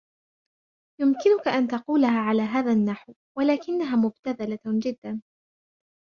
يمكنكَ أن تقولها على هذا النحو, ولكنها مُبتذلة جداَ.